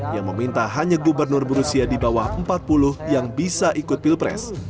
yang meminta hanya gubernur berusia di bawah empat puluh yang bisa ikut pilpres